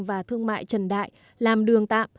và thương mại trần đại làm đường tạm